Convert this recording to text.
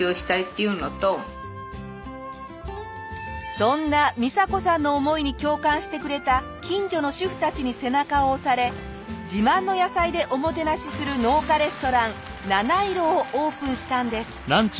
そんなみさ子さんの思いに共感してくれた近所の主婦たちに背中を押され自慢の野菜でおもてなしする農家レストラン菜七色をオープンしたんです。